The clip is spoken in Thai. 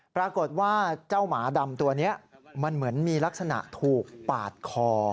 ปรากฏว่าเจ้าหมาดำตัวนี้มันเหมือนมีลักษณะถูกปาดคอ